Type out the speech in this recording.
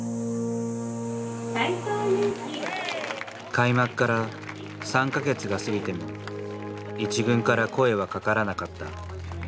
開幕から３か月が過ぎても１軍から声はかからなかった。